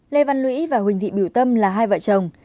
lê văn lũy và huỳnh thị biểu tâm là hai vợ chồng